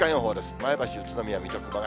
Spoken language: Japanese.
前橋、宇都宮、水戸、熊谷。